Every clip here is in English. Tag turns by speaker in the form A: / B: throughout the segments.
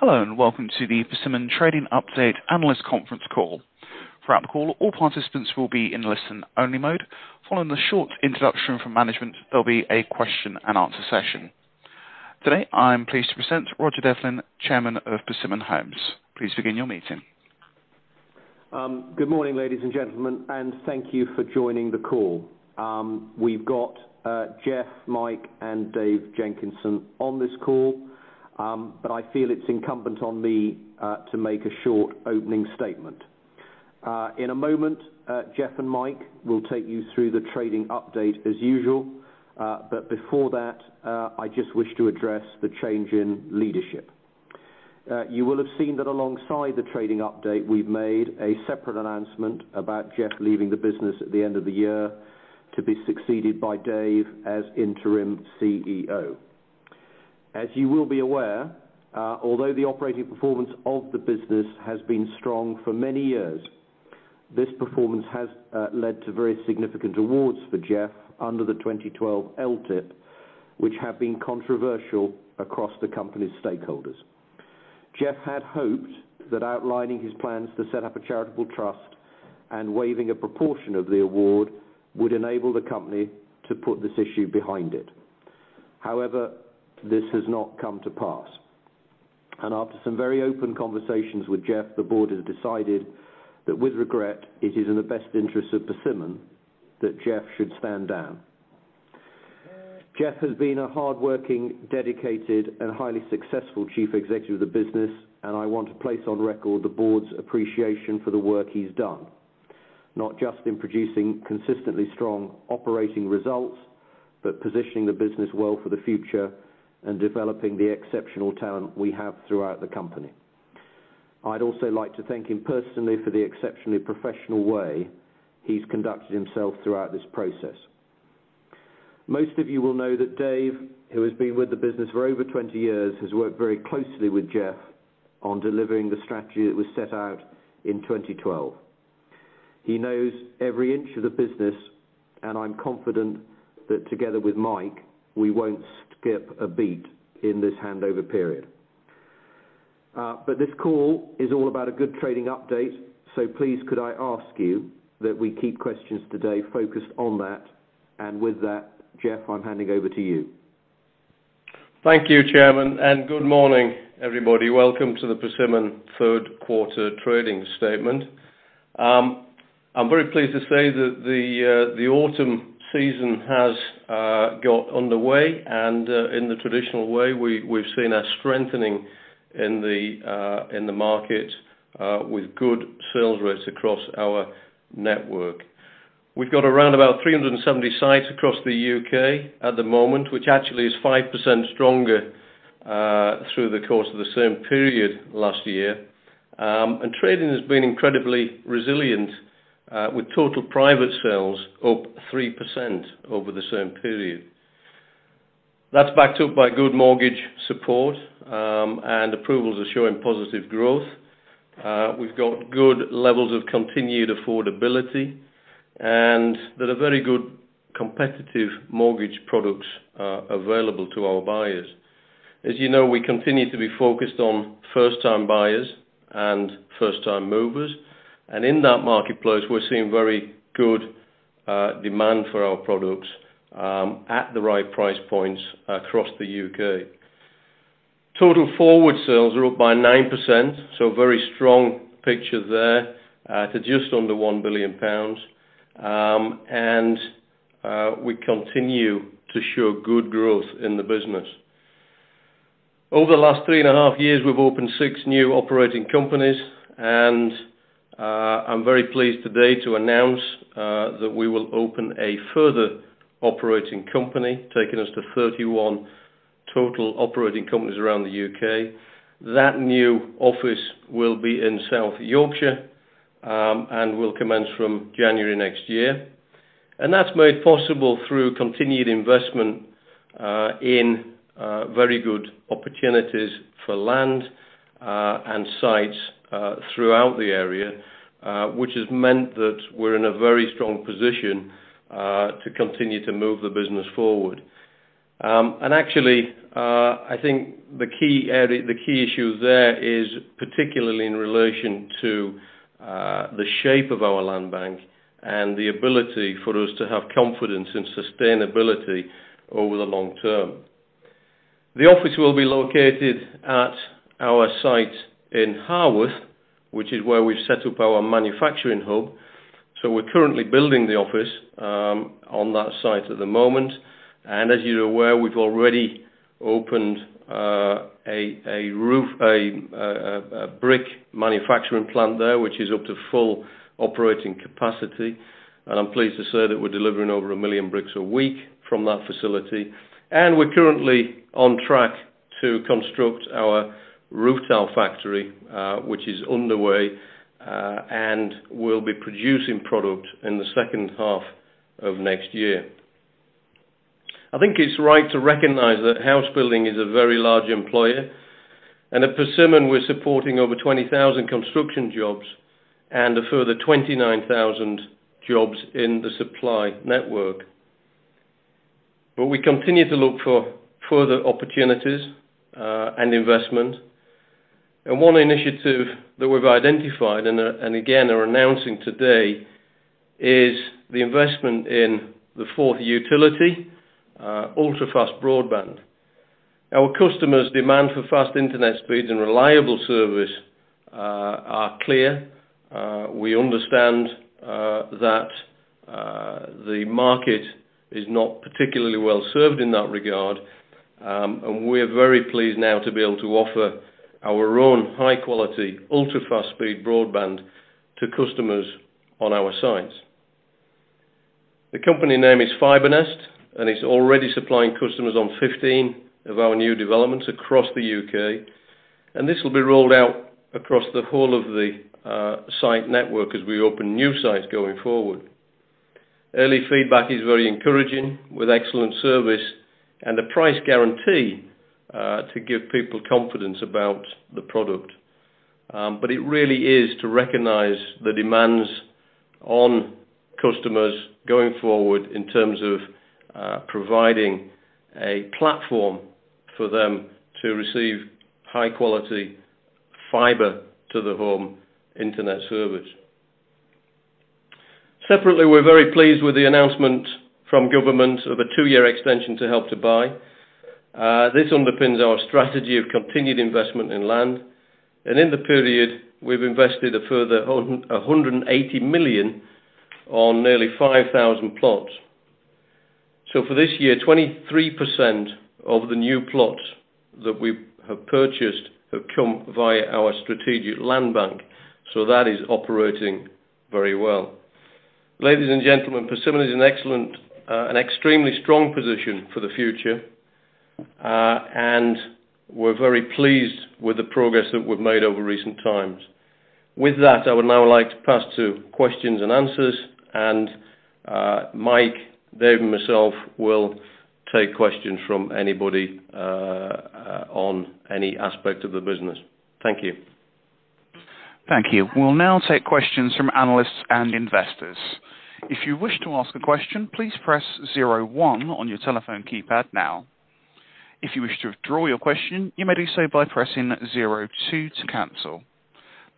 A: Hello, welcome to the Persimmon trading update analyst conference call. Throughout the call, all participants will be in listen-only mode. Following the short introduction from management, there'll be a question and answer session. Today, I am pleased to present Roger Devlin, Chairman of Persimmon Homes. Please begin your meeting.
B: Good morning, ladies and gentlemen, thank you for joining the call. We've got Jeff, Mike, and Dave Jenkinson on this call. I feel it's incumbent on me to make a short opening statement. In a moment, Jeff and Mike will take you through the trading update as usual. Before that, I just wish to address the change in leadership. You will have seen that alongside the trading update, we've made a separate announcement about Jeff leaving the business at the end of the year to be succeeded by Dave as interim CEO. You will be aware, although the operating performance of the business has been strong for many years, this performance has led to very significant awards for Jeff under the 2012 LTIP, which have been controversial across the company's stakeholders. Jeff had hoped that outlining his plans to set up a charitable trust and waiving a proportion of the award would enable the company to put this issue behind it. However, this has not come to pass. After some very open conversations with Jeff, the board has decided that with regret, it is in the best interest of Persimmon that Jeff should stand down. Jeff has been a hardworking, dedicated, and highly successful Chief Executive of the business, and I want to place on record the board's appreciation for the work he's done, not just in producing consistently strong operating results, but positioning the business well for the future and developing the exceptional talent we have throughout the company. I'd also like to thank him personally for the exceptionally professional way he's conducted himself throughout this process. Most of you will know that Dave, who has been with the business for over 20 years, has worked very closely with Jeff on delivering the strategy that was set out in 2012. He knows every inch of the business, I'm confident that together with Mike, we won't skip a beat in this handover period. This call is all about a good trading update, please could I ask you that we keep questions today focused on that. With that, Jeff, I'm handing over to you.
C: Thank you, Chairman. Good morning, everybody. Welcome to the Persimmon third quarter trading statement. I'm very pleased to say that the autumn season has got underway, and in the traditional way, we've seen a strengthening in the market, with good sales rates across our network. We've got around about 370 sites across the U.K. at the moment, which actually is 5% stronger, through the course of the same period last year. Trading has been incredibly resilient, with total private sales up 3% over the same period. That's backed up by good mortgage support, and approvals are showing positive growth. We've got good levels of continued affordability, and there are very good competitive mortgage products available to our buyers. As you know, we continue to be focused on first-time buyers and first-time movers. In that marketplace, we're seeing very good demand for our products, at the right price points across the U.K. Total forward sales are up by 9%. A very strong picture there, at just under 1 billion pounds. We continue to show good growth in the business. Over the last three and a half years, we've opened six new operating companies, and I'm very pleased today to announce that we will open a further operating company, taking us to 31 total operating companies around the U.K. That new office will be in South Yorkshire, and will commence from January next year. That's made possible through continued investment in very good opportunities for land, and sites throughout the area, which has meant that we're in a very strong position to continue to move the business forward. Actually, I think the key issue there is particularly in relation to the shape of our strategic land bank and the ability for us to have confidence in sustainability over the long term. The office will be located at our site in Harworth, which is where we've set up our manufacturing hub. So we're currently building the office on that site at the moment. As you're aware, we've already opened a brick manufacturing plant there, which is up to full operating capacity. I'm pleased to say that we're delivering over 1 million bricks a week from that facility. We're currently on track to construct our roof tile factory, which is underway, and will be producing product in the second half of next year. I think it's right to recognize that house building is a very large employer, and at Persimmon, we're supporting over 20,000 construction jobs and a further 29,000 jobs in the supply network. We continue to look for further opportunities and investment. One initiative that we've identified, and again, are announcing today, is the investment in the fourth utility, ultra-fast broadband. Our customers' demand for fast internet speeds and reliable service are clear. We understand that the market is not particularly well-served in that regard, and we're very pleased now to be able to offer our own high-quality, ultra-fast speed broadband to customers on our sites. The company name is FibreNest, and it's already supplying customers on 15 of our new developments across the U.K., and this will be rolled out across the whole of the site network as we open new sites going forward. Early feedback is very encouraging, with excellent service and a price guarantee to give people confidence about the product. It really is to recognize the demands on customers going forward, in terms of providing a platform for them to receive high-quality fiber-to-the-home internet service. Separately, we're very pleased with the announcement from government of a two-year extension to Help to Buy. This underpins our strategy of continued investment in land. In the period, we've invested a further 180 million on nearly 5,000 plots. For this year, 23% of the new plots that we have purchased have come via our strategic land bank. That is operating very well. Ladies and gentlemen, Persimmon is in an extremely strong position for the future, and we're very pleased with the progress that we've made over recent times. With that, I would now like to pass to questions and answers, and Mike, Dave, and myself will take questions from anybody on any aspect of the business. Thank you.
A: Thank you. We'll now take questions from analysts and investors. If you wish to ask a question, please press 01 on your telephone keypad now. If you wish to withdraw your question, you may do so by pressing 02 to cancel.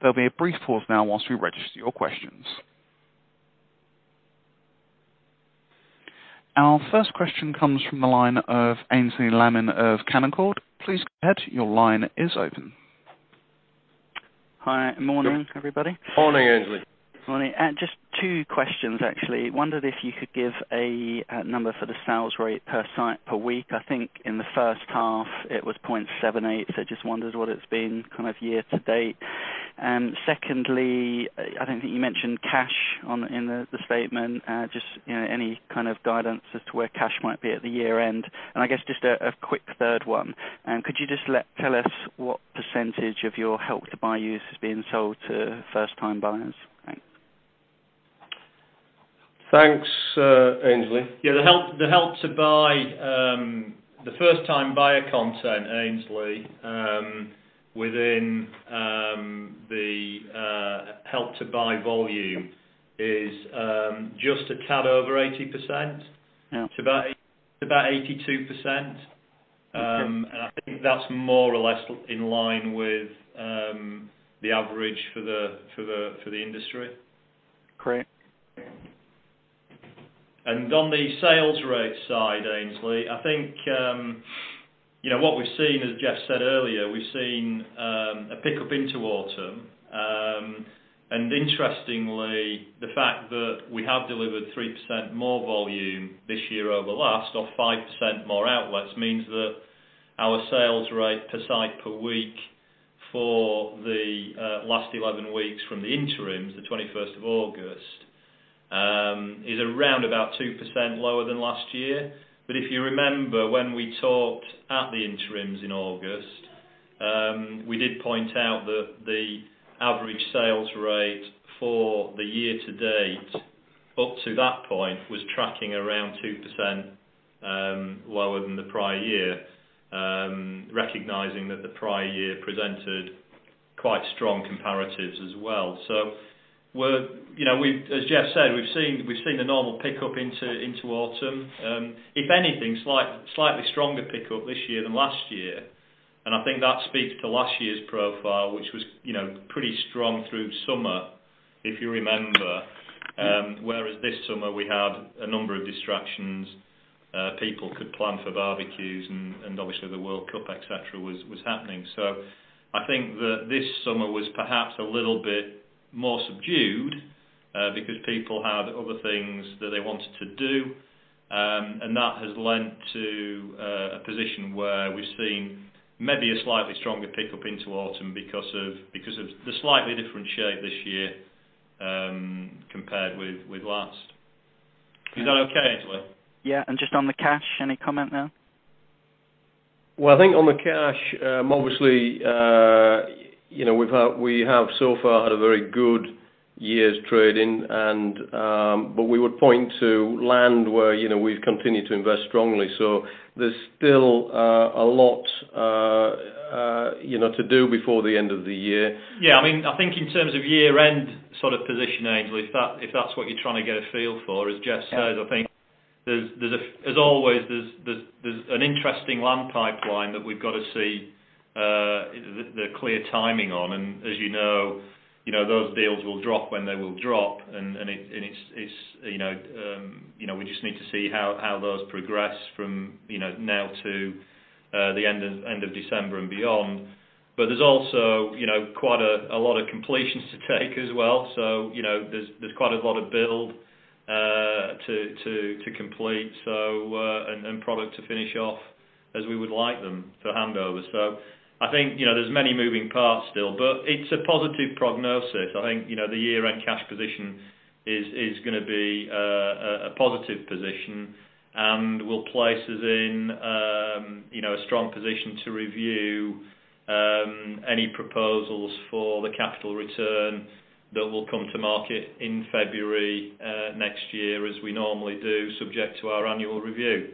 A: There'll be a brief pause now whilst we register your questions. Our first question comes from the line of Aynsley Lammin of Canaccord. Please go ahead. Your line is open.
D: Hi. Morning, everybody.
C: Morning, Aynsley.
D: Morning. Just two questions, actually. Wondered if you could give a number for the sales rate per site per week. I think in the first half it was 0.78, so just wondered what it's been year to date. Secondly, I don't think you mentioned cash in the statement. Just any kind of guidance as to where cash might be at the year-end. I guess just a quick third one: could you just tell us what % of your Help to Buy use is being sold to first-time buyers? Thanks.
C: Thanks, Aynsley.
E: Yeah, the Help to Buy, the first-time buyer content, Aynsley, within the Help to Buy volume is just a tad over 80%.
D: Yeah.
E: It's about 82%.
D: Okay.
E: I think that's more or less in line with the average for the industry.
D: Great.
E: On the sales rate side, Aynsley, I think what we've seen, as Jeff said earlier, we've seen a pickup into autumn. Interestingly, the fact that we have delivered 3% more volume this year over last, or 5% more outlets, means that our sales rate per site per week for the last 11 weeks from the interims, the 21st of August, is around about 2% lower than last year. If you remember when we talked at the interims in August, we did point out that the average sales rate for the year to date up to that point was tracking around 2% lower than the prior year, recognizing that the prior year presented quite strong comparatives as well. As Jeff said, we've seen a normal pickup into autumn. If anything, slightly stronger pickup this year than last year, I think that speaks to last year's profile, which was pretty strong through summer, if you remember. Whereas this summer, we had a number of distractions. People could plan for barbecues, obviously the World Cup, et cetera, was happening. I think that this summer was perhaps a little bit more subdued because people had other things that they wanted to do. That has lent to a position where we've seen maybe a slightly stronger pickup into autumn because of the slightly different shape this year compared with last. Is that okay, Aynsley?
D: Just on the cash, any comment there?
C: I think on the cash, obviously, we have so far had a very good year's trading, we would point to land where we've continued to invest strongly. There's still a lot to do before the end of the year.
E: Yeah. I think in terms of year-end positioning, Aynsley, if that's what you're trying to get a feel for, as Jeff says, I think as always, there's an interesting land pipeline that we've got to see the clear timing on. As you know, those deals will drop when they will drop, and we just need to see how those progress from now to the end of December and beyond. There's also quite a lot of completions to take as well, so there's quite a lot of build to complete, and product to finish off as we would like them for handover. I think there are many moving parts still, but it's a positive prognosis. I think the year-end cash position is going to be a positive position and will place us in a strong position to review any proposals for the capital return that will come to market in February next year, as we normally do, subject to our annual review.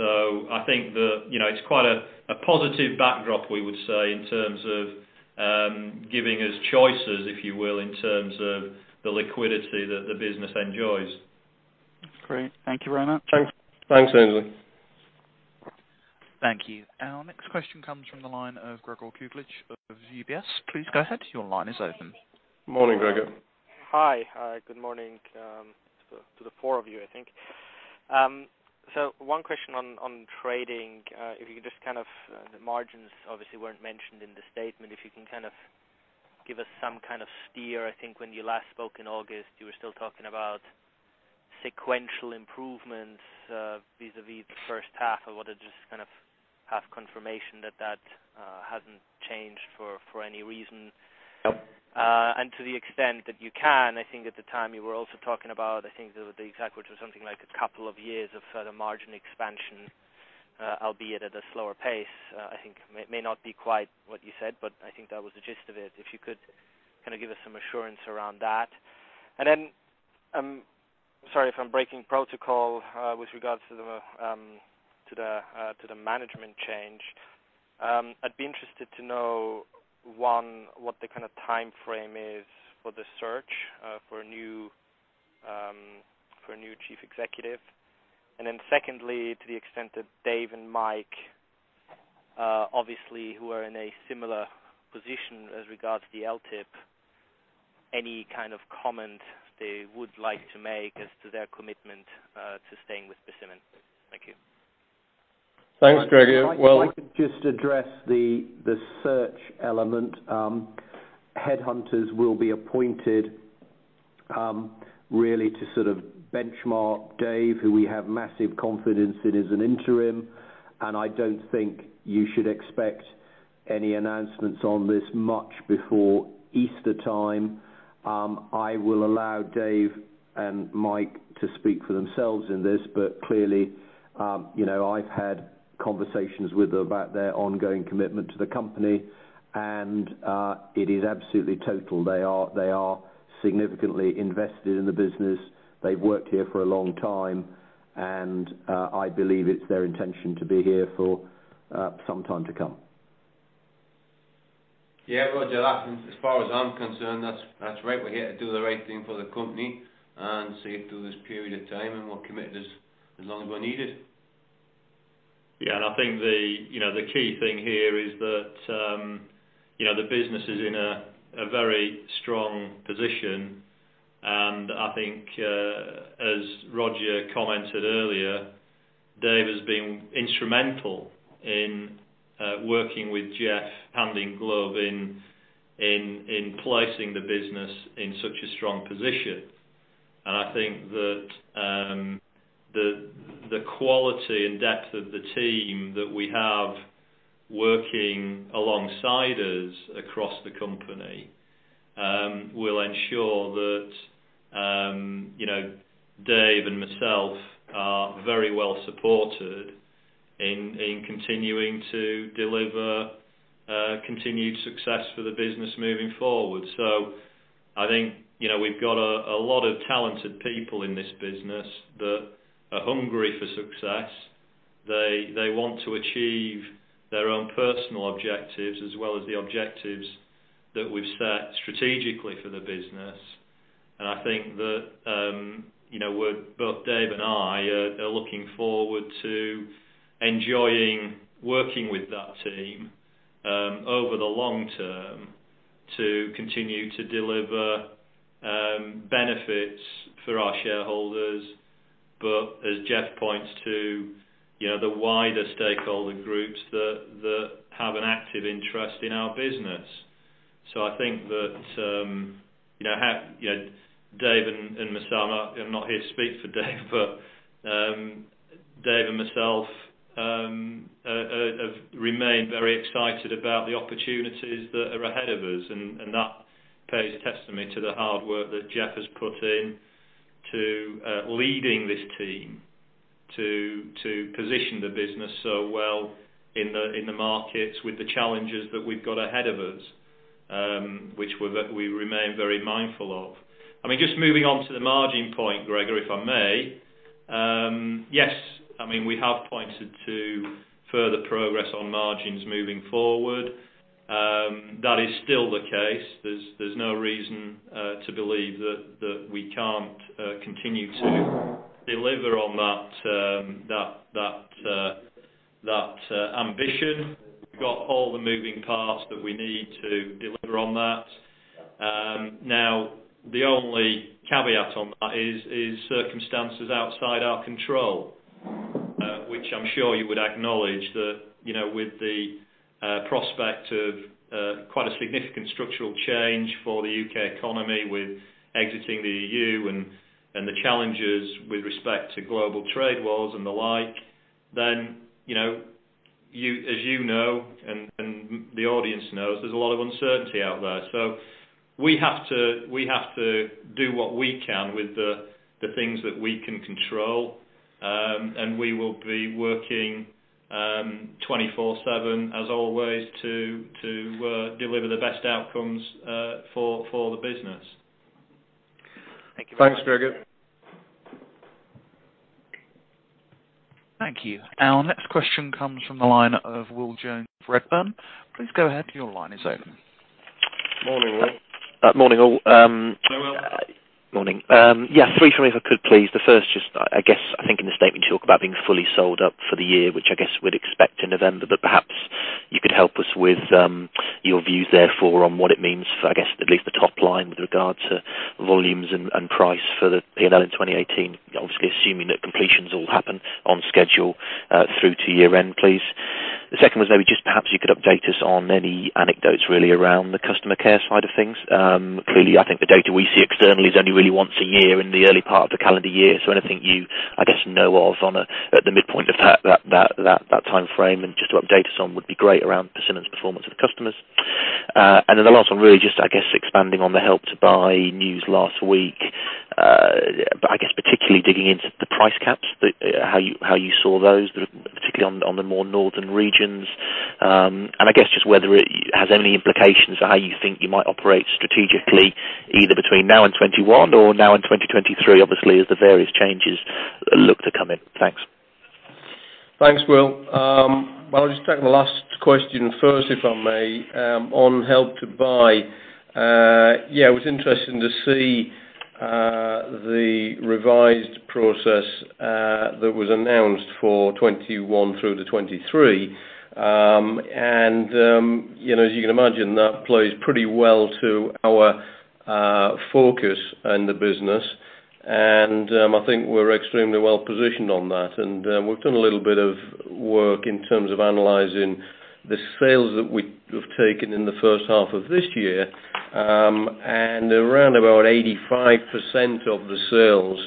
E: I think that it's quite a positive backdrop, we would say, in terms of giving us choices, if you will, in terms of the liquidity that the business enjoys.
D: Great. Thank you very much.
C: Thanks, Aynsley.
A: Thank you. Our next question comes from the line of Gregor Kuglitsch of UBS. Please go ahead. Your line is open.
C: Morning, Gregor.
F: Hi. Good morning to the four of you, I think. One question on trading. The margins obviously weren't mentioned in the statement. If you can kind of give us some kind of steer. I think when you last spoke in August, you were still talking about sequential improvements vis-à-vis the first half. I wanted to just kind of have confirmation that that hasn't changed for any reason.
C: No.
F: To the extent that you can, I think at the time you were also talking about, I think the exact words were something like a couple of years of further margin expansion, albeit at a slower pace. I think it may not be quite what you said, but I think that was the gist of it. If you could kind of give us some assurance around that. Sorry if I'm breaking protocol with regards to the management change. I'd be interested to know, 1, what the kind of timeframe is for the search for a new Chief Executive. Secondly, to the extent that Dave and Mike, obviously, who are in a similar position as regards the LTIP, any kind of comment they would like to make as to their commitment to staying with Persimmon. Thank you.
C: Thanks, Gregor.
B: If I could just address the search element. Headhunters will be appointed really to sort of benchmark Dave, who we have massive confidence in as an interim, and I don't think you should expect any announcements on this much before Easter time. I will allow Dave and Mike to speak for themselves in this, but clearly I've had conversations with them about their ongoing commitment to the company, and it is absolutely total. They are significantly invested in the business. They've worked here for a long time, and I believe it's their intention to be here for some time to come.
G: Roger, as far as I'm concerned, that's right. We're here to do the right thing for the company and see it through this period of time, and we'll commit as long as we're needed.
E: I think the key thing here is that the business is in a very strong position. I think, as Roger commented earlier, Dave has been instrumental in working with Jeff, hand in glove, in placing the business in such a strong position. I think that the quality and depth of the team that we have working alongside us across the company will ensure that Dave and myself are very well supported in continuing to deliver continued success for the business moving forward. I think we've got a lot of talented people in this business that are hungry for success. They want to achieve their own personal objectives as well as the objectives that we've set strategically for the business. I think that both Dave and I are looking forward to enjoying working with that team over the long term to continue to deliver benefits for our shareholders, but as Jeff points to the wider stakeholder groups that have an active interest in our business. I think that Dave and myself, I'm not here to speak for Dave but Dave and myself have remained very excited about the opportunities that are ahead of us. That pays a testament to the hard work that Jeff has put in to leading this team to position the business so well in the markets with the challenges that we've got ahead of us, which we remain very mindful of. Just moving on to the margin point, Gregor, if I may. Yes, we have pointed to further progress on margins moving forward. That is still the case. There's no reason to believe that we can't continue to deliver on that ambition. We've got all the moving parts that we need to deliver on that. The only caveat on that is circumstances outside our control, which I'm sure you would acknowledge that, with the prospect of quite a significant structural change for the U.K. economy with exiting the EU, and the challenges with respect to global trade wars and the like, as you know, and the audience knows, there's a lot of uncertainty out there. We have to do what we can with the things that we can control. We will be working 24/7, as always, to deliver the best outcomes for the business.
F: Thank you.
C: Thanks, Gregor.
A: Thank you. Our next question comes from the line of Will Jones, Redburn. Please go ahead. Your line is open.
H: Morning, Will. Morning, all. Hello. Morning. Yeah, three for me if I could, please. The first just, I guess, I think in the statement, you talk about being fully sold up for the year, which I guess we'd expect in November, but perhaps you could help us with your views therefore on what it means for, I guess, at least the top line with regard to volumes and price for the P&L in 2018, obviously assuming that completions all happen on schedule through to year-end, please. The second was maybe just perhaps you could update us on any anecdotes really around the customer care side of things. Clearly, I think the data we see externally is only really once a year in the early part of the calendar year. Anything you, I guess, know of at the midpoint of that time frame and just to update us on would be great around Persimmon's performance with customers. The last one, really just, I guess, expanding on the Help to Buy news last week, but I guess particularly digging into the price caps, how you saw those, particularly on the more northern regions. I guess just whether it has any implications for how you think you might operate strategically, either between now and 2021 or now and 2023, obviously, as the various changes look to come in. Thanks.
C: Thanks, Will. I'll just take the last question first, if I may. On Help to Buy, yeah, it was interesting to see the revised process that was announced for 2021 through to 2023. As you can imagine, that plays pretty well to our focus in the business. I think we're extremely well positioned on that. We've done a little bit of work in terms of analyzing the sales that we have taken in the first half of this year, and around about 85% of the sales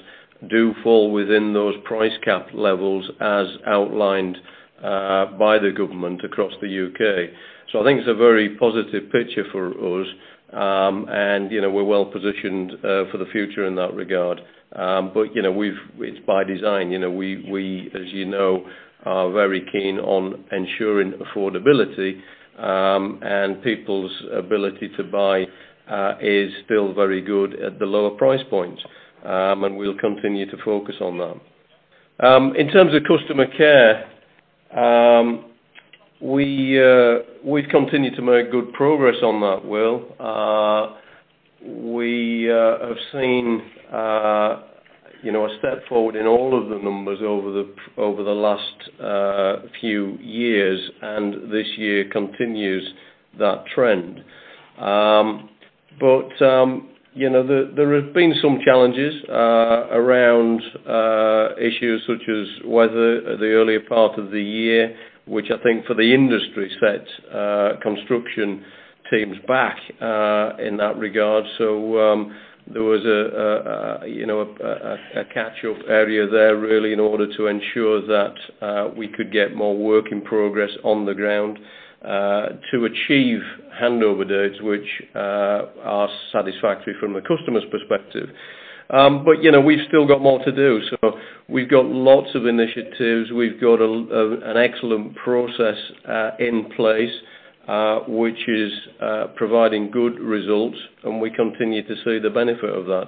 C: do fall within those price cap levels as outlined by the government across the U.K. I think it's a very positive picture for us, and we're well positioned for the future in that regard. It's by design. We, as you know, are very keen on ensuring affordability, and people's ability to buy is still very good at the lower price points. We'll continue to focus on that. In terms of customer care, we've continued to make good progress on that, Will. We have seen a step forward in all of the numbers over the last few years, and this year continues that trend. There have been some challenges around issues such as weather at the earlier part of the year, which I think for the industry set construction teams back in that regard, so there was a catch-up area there really in order to ensure that we could get more work in progress on the ground to achieve handover dates which are satisfactory from the customer's perspective. We've still got more to do, so we've got lots of initiatives. We've got an excellent process in place, which is providing good results, and we continue to see the benefit of that.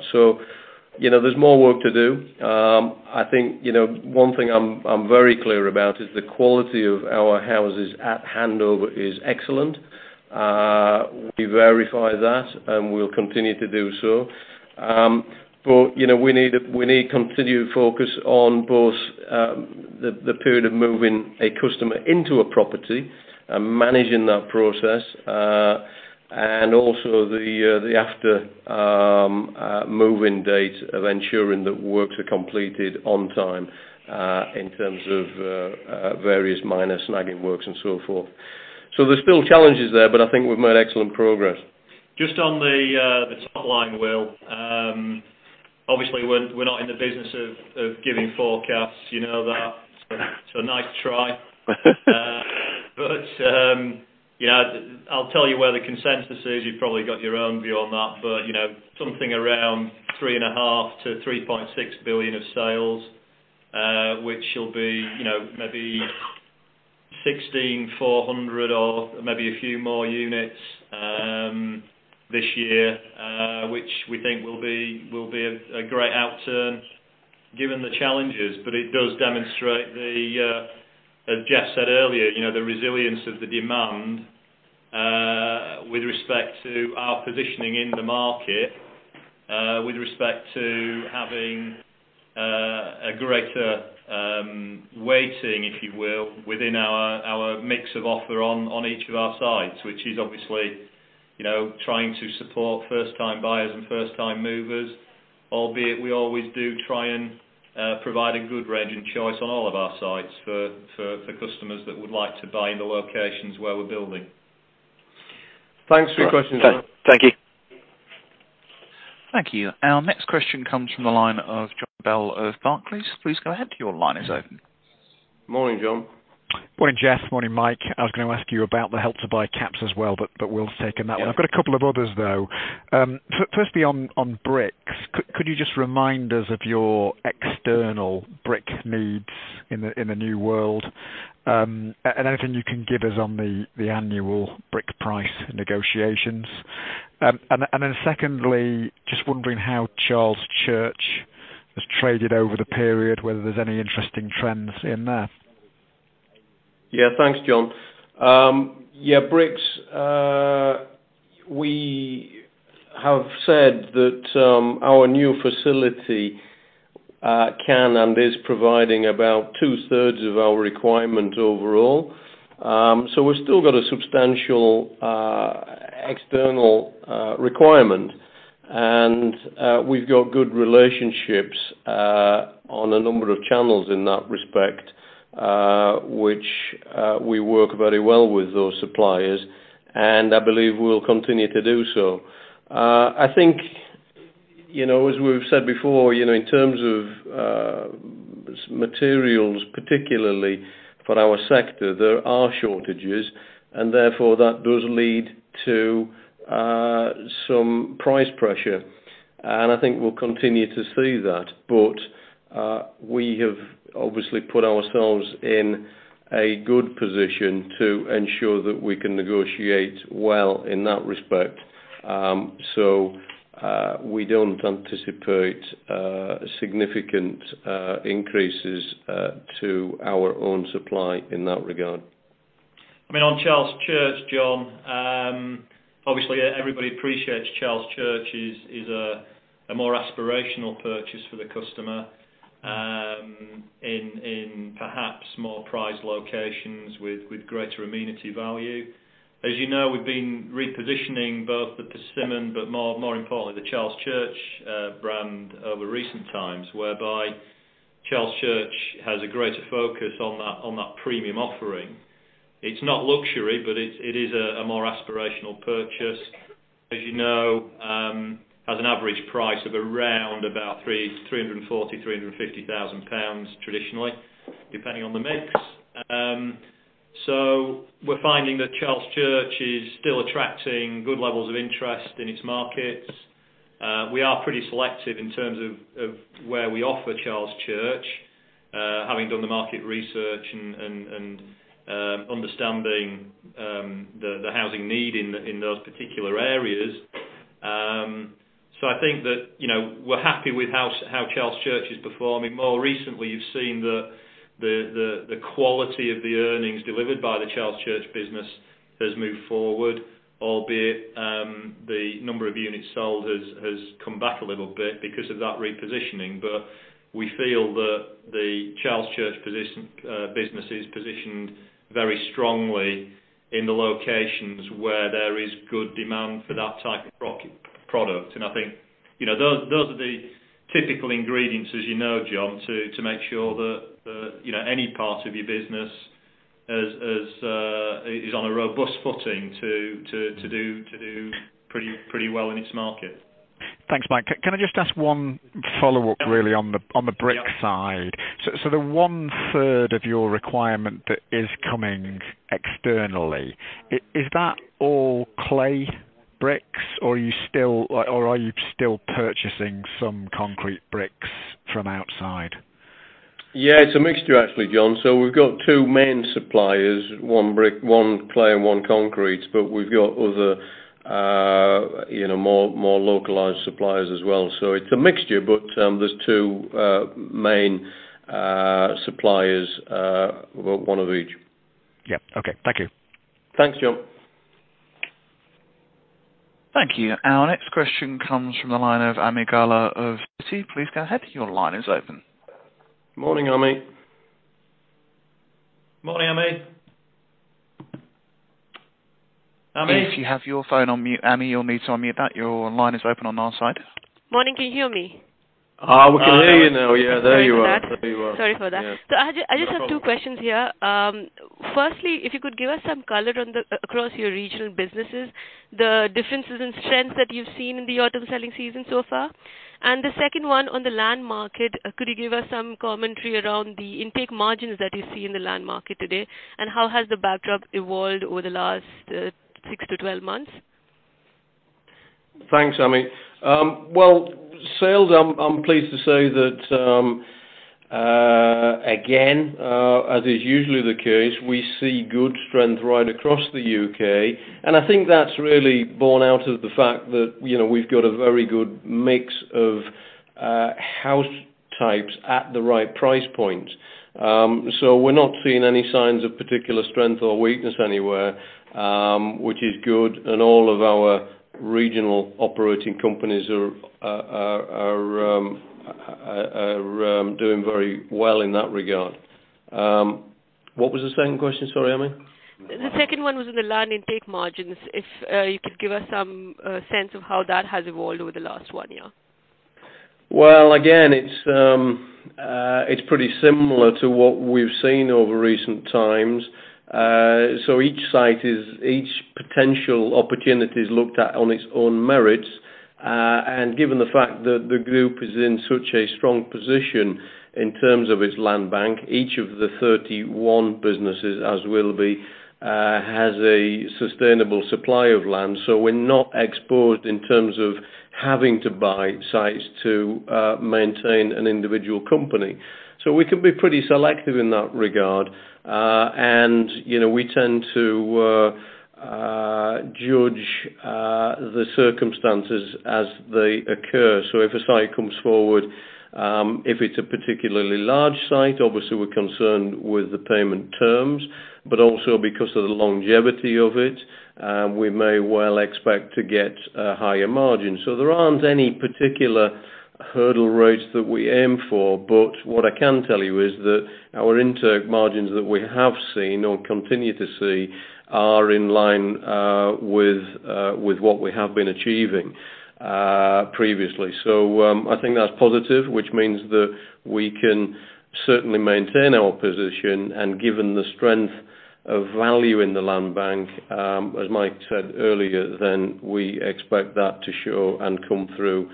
C: There's more work to do. I think one thing I'm very clear about is the quality of our houses at handover is excellent. We verify that, and we'll continue to do so. We need continued focus on both the period of moving a customer into a property and managing that process, and also the after move-in date of ensuring that works are completed on time in terms of various minor snagging works and so forth. There's still challenges there, but I think we've made excellent progress.
E: Just on the top line, Will. Obviously, we're not in the business of giving forecasts. You know that. It's a nice try. I'll tell you where the consensus is. You've probably got your own view on that, but something around 3.5 billion-3.6 billion of salesWhich will be maybe 16,400 or maybe a few more units this year, which we think will be a great outturn given the challenges. It does demonstrate the, as Jeff said earlier, the resilience of the demand with respect to our positioning in the market, with respect to having a greater weighting, if you will, within our mix of offer on each of our sites. Which is obviously trying to support first-time buyers and first-time movers, albeit we always do try and provide a good range and choice on all of our sites for customers that would like to buy in the locations where we're building.
C: Thanks for your questions, Will.
H: Thank you.
A: Thank you. Our next question comes from the line of John Bell of Barclays. Please go ahead. Your line is open.
C: Morning, John.
I: Morning, Jeff. Morning, Mike. I was going to ask you about the Help to Buy caps as well. Will's taken that one.
C: Yeah.
I: I've got a couple of others, though. Firstly, on bricks, could you just remind us of your external brick needs in the new world? Anything you can give us on the annual brick price negotiations. Secondly, just wondering how Charles Church has traded over the period, whether there's any interesting trends in there.
C: Thanks, John. Bricks, we have said that our new facility can and is providing about two-thirds of our requirement overall. We've still got a substantial external requirement, and we've got good relationships on a number of channels in that respect, which we work very well with those suppliers, and I believe we'll continue to do so. I think, as we've said before, in terms of materials, particularly for our sector, there are shortages, and therefore, that does lead to some price pressure. I think we'll continue to see that. We have obviously put ourselves in a good position to ensure that we can negotiate well in that respect. We don't anticipate significant increases to our own supply in that regard.
E: On Charles Church, John, obviously everybody appreciates Charles Church is a more aspirational purchase for the customer, in perhaps more prized locations with greater amenity value. As you know, we've been repositioning both the Persimmon, but more importantly, the Charles Church brand over recent times, whereby Charles Church has a greater focus on that premium offering. It's not luxury, but it is a more aspirational purchase. As you know, has an average price of around about 340,000-350,000 pounds traditionally, depending on the mix. We're finding that Charles Church is still attracting good levels of interest in its markets. We are pretty selective in terms of where we offer Charles Church. Having done the market research and understanding the housing need in those particular areas. I think that we're happy with how Charles Church is performing. More recently, you've seen the quality of the earnings delivered by the Charles Church business has moved forward, albeit the number of units sold has come back a little bit because of that repositioning. We feel that the Charles Church business is positioned very strongly in the locations where there is good demand for that type of product. I think those are the typical ingredients, as you know, John, to make sure that any part of your business is on a robust footing to do pretty well in its market.
I: Thanks, Mike. Can I just ask one follow-up really on the brick side?
E: Yeah.
I: the one-third of your requirement that is coming externally, is that all clay bricks, or are you still purchasing some concrete bricks from outside?
C: Yeah, it's a mixture, actually, John. We've got two main suppliers, one clay and one concrete, but we've got other more localized suppliers as well. It's a mixture, but there's two main suppliers, one of each.
I: Yeah. Okay. Thank you.
C: Thanks, John.
A: Thank you. Our next question comes from the line of Ami Galla of Citi. Please go ahead. Your line is open.
C: Morning, Ami.
E: Morning, Ami. Ami?
A: If you have your phone on mute, Ami, you'll need to unmute that. Your line is open on our side.
J: Morning. Can you hear me?
C: We can hear you now. Yeah. There you are.
J: Sorry for that.
C: No problem.
J: I just have two questions here. Firstly, if you could give us some color across your regional businesses, the differences and strengths that you've seen in the autumn selling season so far. The second one on the land market, could you give us some commentary around the intake margins that you see in the land market today, and how has the backdrop evolved over the last 6-12 months?
C: Thanks, Ami. Well, sales, I'm pleased to say that, again, as is usually the case, we see good strength right across the U.K. I think that's really born out of the fact that we've got a very good mix of house types at the right price points. We're not seeing any signs of particular strength or weakness anywhere, which is good, and all of our regional operating companies are doing very well in that regard. What was the second question? Sorry, Ami.
J: The second one was on the land intake margins, if you could give us some sense of how that has evolved over the last one year.
C: Well, again, it's pretty similar to what we've seen over recent times. Each potential opportunity is looked at on its own merits. Given the fact that the group is in such a strong position in terms of its land bank, each of the 31 businesses, as we'll be, has a sustainable supply of land. We're not exposed in terms of having to buy sites to maintain an individual company. We can be pretty selective in that regard. We tend to judge the circumstances as they occur. If a site comes forward, if it's a particularly large site, obviously we're concerned with the payment terms. Also because of the longevity of it, we may well expect to get a higher margin. There aren't any particular hurdle rates that we aim for. What I can tell you is that our intake margins that we have seen or continue to see are in line with what we have been achieving previously. I think that's positive, which means that we can certainly maintain our position, and given the strength of value in the land bank, as Mike said earlier, we expect that to show and come through,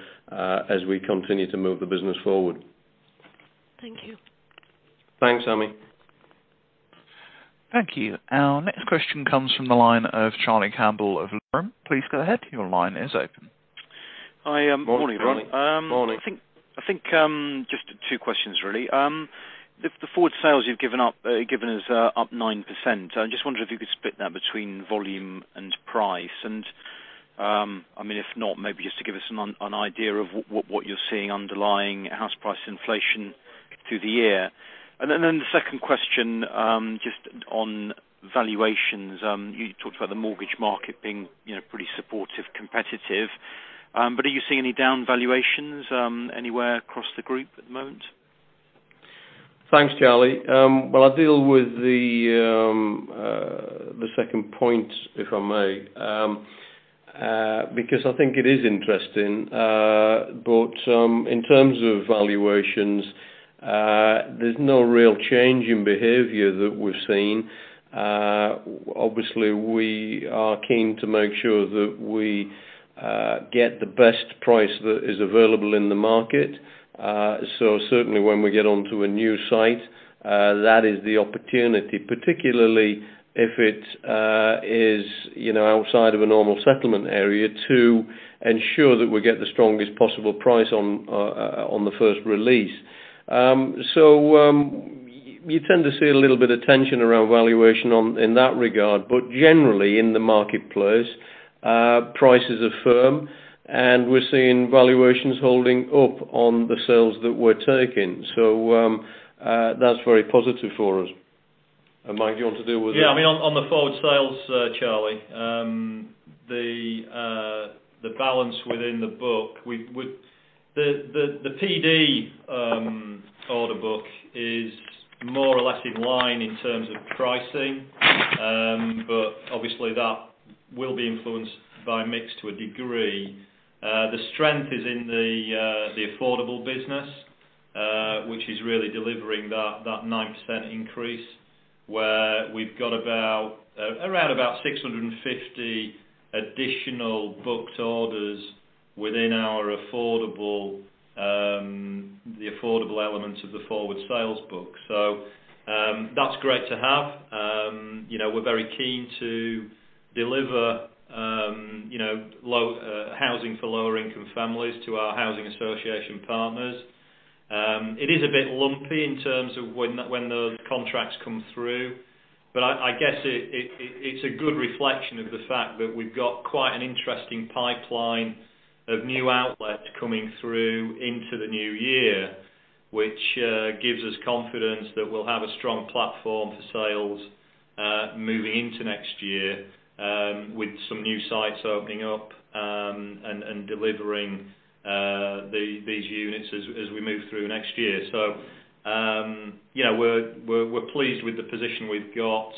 C: as we continue to move the business forward.
J: Thank you.
C: Thanks, Ami.
A: Thank you. Our next question comes from the line of Charlie Campbell of Liberum. Please go ahead. Your line is open.
K: Hi. Morning.
C: Morning.
K: I think, just two questions, really. The forward sales you've given us are up 9%. I just wonder if you could split that between volume and price. If not, maybe just to give us an idea of what you're seeing underlying house price inflation through the year. The second question, just on valuations. You talked about the mortgage market being pretty supportive, competitive. Are you seeing any down valuations anywhere across the group at the moment?
C: Thanks, Charlie. Well, I'll deal with the second point, if I may, because I think it is interesting. In terms of valuations, there's no real change in behavior that we've seen. Obviously, we are keen to make sure that we get the best price that is available in the market. Certainly when we get onto a new site, that is the opportunity, particularly if it is outside of a normal settlement area, to ensure that we get the strongest possible price on the first release. You tend to see a little bit of tension around valuation in that regard. Generally, in the marketplace, prices are firm, and we're seeing valuations holding up on the sales that we're taking. That's very positive for us. Mike, do you want to deal with that?
E: Yeah. On the forward sales, Charlie, the balance within the book. The private order book is more or less in line in terms of pricing. Obviously, that will be influenced by mix to a degree. The strength is in the affordable business, which is really delivering that 9% increase, where we've got around about 650 additional booked orders within the affordable elements of the forward sales book. That's great to have. We're very keen to deliver housing for lower income families to our housing association partners. It is a bit lumpy in terms of when the contracts come through. I guess it's a good reflection of the fact that we've got quite an interesting pipeline of new outlets coming through into the new year, which gives us confidence that we'll have a strong platform for sales moving into next year, with some new sites opening up, and delivering these units as we move through next year. We're pleased with the position we've got.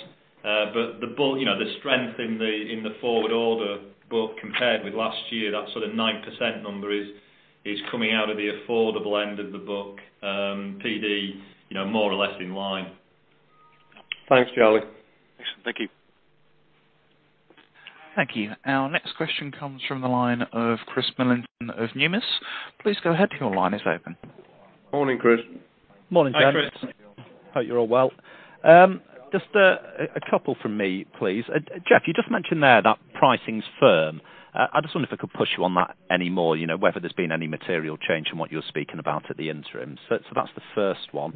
E: The strength in the forward order book compared with last year, that sort of 9% number is coming out of the affordable end of the book. private, more or less in line.
C: Thanks, Charlie.
K: Excellent. Thank you.
A: Thank you. Our next question comes from the line of Chris Millington of Numis. Please go ahead. Your line is open.
C: Morning, Chris.
L: Morning, Chris. Hope you're all well. Just a couple from me, please. Jeff, you just mentioned there that pricing is firm. I just wonder if I could push you on that anymore, whether there's been any material change from what you were speaking about at the interim. That's the first one.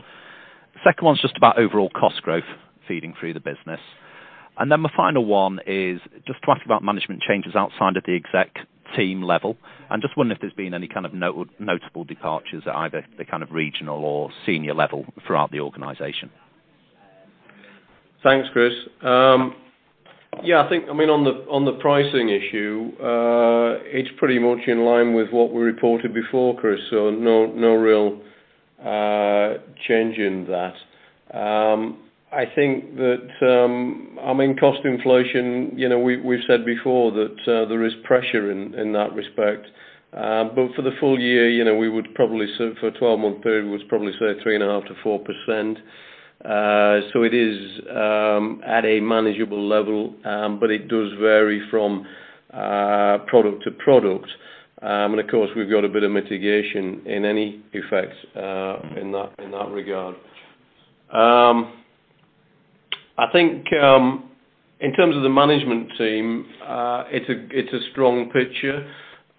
L: Second one's just about overall cost growth feeding through the business. My final one is just to ask about management changes outside of the exec team level. I'm just wondering if there's been any kind of notable departures at either the kind of regional or senior level throughout the organization.
C: Thanks, Chris. I think on the pricing issue, it's pretty much in line with what we reported before, Chris. No real change in that. I think that cost inflation, we've said before that there is pressure in that respect. For the full year, for a 12-month period, we'd probably say 3.5%-4%. It is at a manageable level. It does vary from product to product. Of course, we've got a bit of mitigation in any effects in that regard. I think in terms of the management team, it's a strong picture.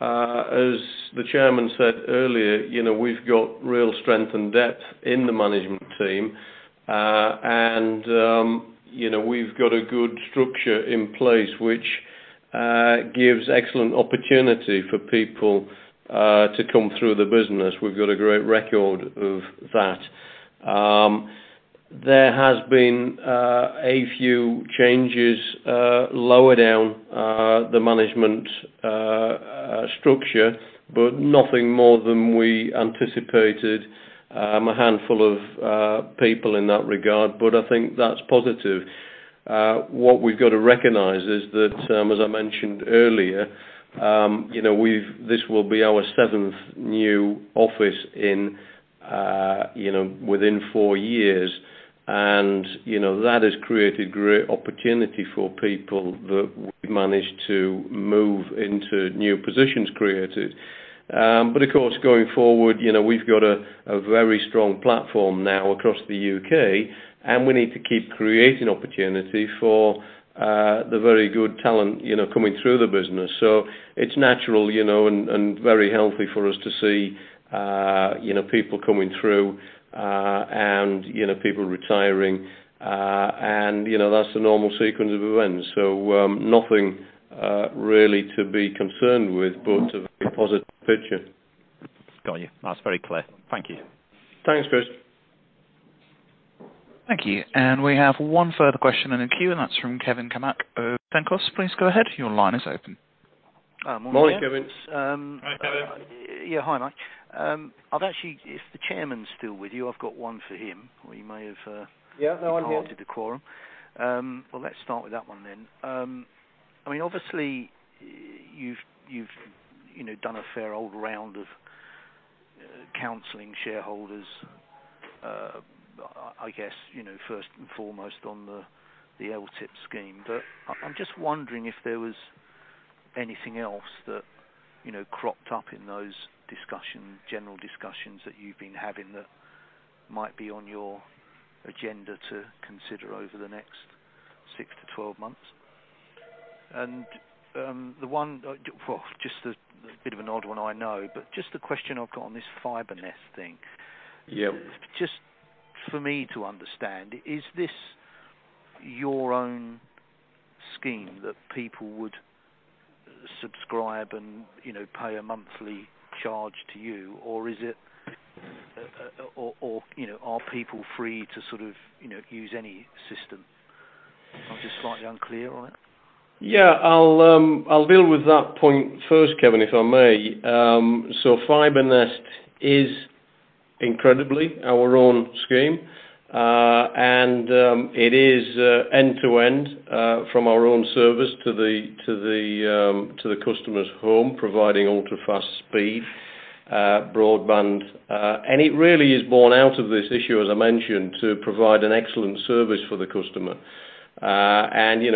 C: As the Chairman said earlier, we've got real strength and depth in the management team. We've got a good structure in place which gives excellent opportunity for people to come through the business. We've got a great record of that. There has been a few changes lower down the management structure, but nothing more than we anticipated. A handful of people in that regard, but I think that's positive. What we've got to recognize is that, as I mentioned earlier, this will be our seventh new office within four years. That has created great opportunity for people that we've managed to move into new positions created. Of course, going forward, we've got a very strong platform now across the U.K., and we need to keep creating opportunity for the very good talent coming through the business. It's natural and very healthy for us to see people coming through and people retiring. That's the normal sequence of events. Nothing really to be concerned with, but a very positive picture.
L: Got you. That's very clear. Thank you.
C: Thanks, Chris.
A: Thank you. We have one further question in the queue, and that's from Kevin Cammack of Cenkos Securities. Please go ahead. Your line is open.
C: Morning, Kevin.
E: Hi, Kevin.
M: Yeah. Hi, Mike. Actually, if the Chairman's still with you, I've got one for him, or he may have departed the quorum.
B: Yeah, no, I'm here.
M: Well, let's start with that one then. Obviously, you've done a fair old round of counseling shareholders, I guess, first and foremost on the LTIP scheme. I'm just wondering if there was anything else that cropped up in those general discussions that you've been having that might be on your agenda to consider over the next six to 12 months. The one, just a bit of an odd one, I know, but just a question I've got on this FibreNest thing.
C: Yeah.
M: Just for me to understand, is this your own scheme that people would subscribe and pay a monthly charge to you, or are people free to use any system? I'm just slightly unclear on it.
C: Yeah, I'll deal with that point first, Kevin, if I may. FibreNest is incredibly our own scheme. It is end-to-end from our own service to the customer's home, providing ultra-fast speed broadband. It really is born out of this issue, as I mentioned, to provide an excellent service for the customer.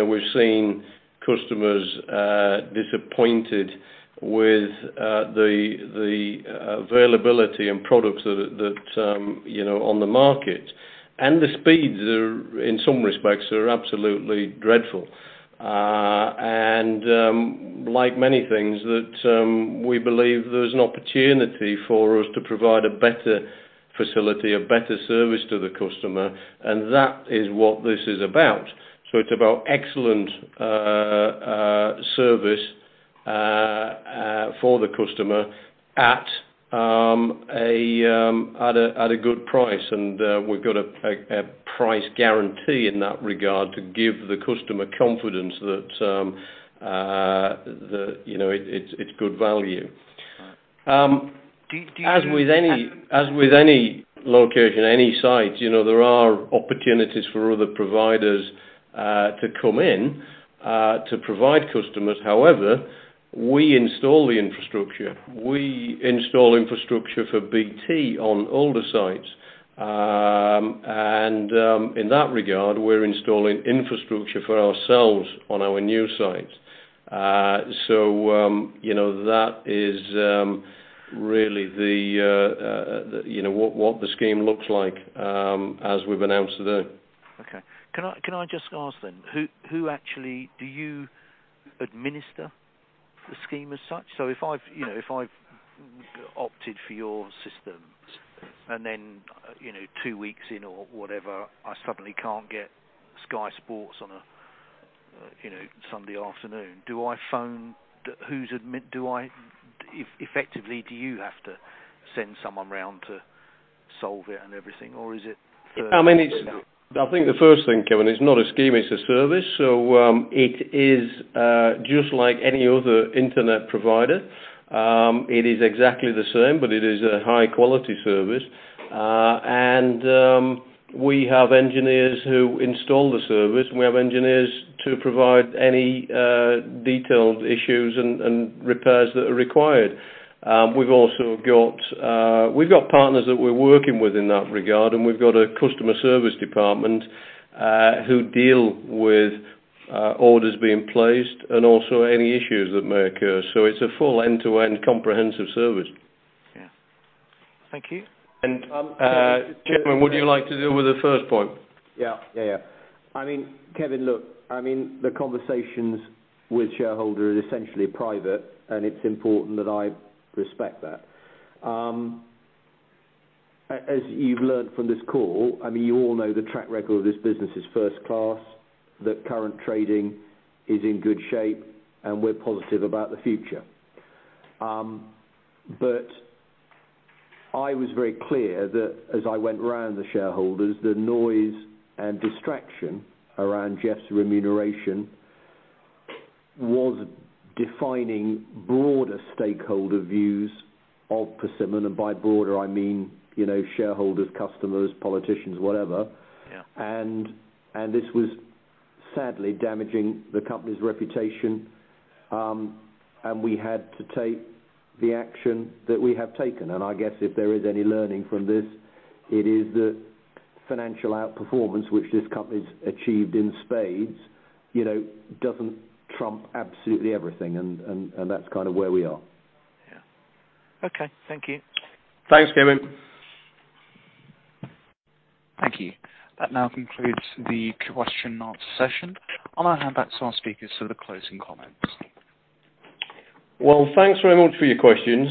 C: We've seen customers disappointed with the availability and products on the market. The speeds, in some respects, are absolutely dreadful. Like many things, we believe there's an opportunity for us to provide a better facility, a better service to the customer, and that is what this is about. It's about excellent service for the customer at a good price. We've got a price guarantee in that regard to give the customer confidence that it's good value.
M: Do you-
C: As with any location, any site, there are opportunities for other providers to come in to provide customers. However, we install the infrastructure. We install infrastructure for BT on older sites. In that regard, we're installing infrastructure for ourselves on our new sites. That is really what the scheme looks like as we've announced today.
M: Can I just ask, do you administer the scheme as such? If I've opted for your systems and then, two weeks in or whatever, I suddenly can't get Sky Sports on a Sunday afternoon, effectively, do you have to send someone around to solve it and everything? Or is it-
C: I think the first thing, Kevin, it's not a scheme, it's a service. It is just like any other internet provider. It is exactly the same, but it is a high-quality service. We have engineers who install the service, and we have engineers to provide any detailed issues and repairs that are required. We've got partners that we're working with in that regard, and we've got a customer service department, who deal with orders being placed and also any issues that may occur. It's a full end-to-end comprehensive service.
M: Yeah. Thank you.
C: Chairman, would you like to deal with the first point?
B: Yeah. Kevin, look, the conversations with shareholders are essentially private, and it is important that I respect that. As you have learned from this call, you all know the track record of this business is first class, that current trading is in good shape, and we are positive about the future. I was very clear that as I went round the shareholders, the noise and distraction around Jeff's remuneration was defining broader stakeholder views of Persimmon. By broader, I mean shareholders, customers, politicians, whatever.
M: Yeah.
B: This was sadly damaging the company's reputation, and we had to take the action that we have taken. I guess if there is any learning from this, it is that financial outperformance, which this company has achieved in spades, doesn't trump absolutely everything. That is where we are.
M: Yeah. Okay. Thank you.
C: Thanks, Kevin.
A: Thank you. That now concludes the question and answer session. I'll now hand back to our speakers for the closing comments.
C: Thanks very much for your questions.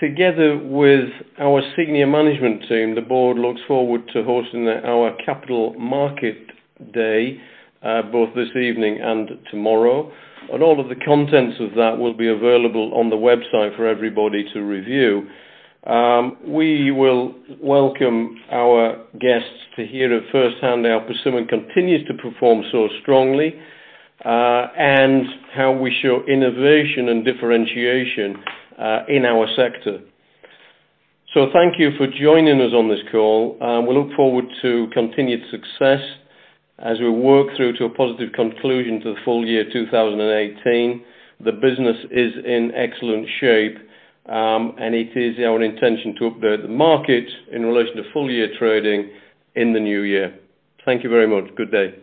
C: Together with our senior management team, the board looks forward to hosting our capital markets day, both this evening and tomorrow. All of the contents of that will be available on the website for everybody to review. We will welcome our guests to hear it firsthand how Persimmon continues to perform so strongly, and how we show innovation and differentiation in our sector. Thank you for joining us on this call. We look forward to continued success as we work through to a positive conclusion to the full year 2018. The business is in excellent shape, it is our intention to update the market in relation to full-year trading in the new year. Thank you very much. Good day.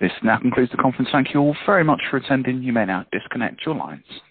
A: This now concludes the conference. Thank you all very much for attending. You may now disconnect your lines.